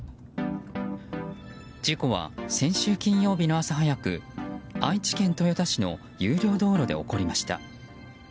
事故は、先週金曜日の朝早く愛知県豊田市の有料道路で起こりました。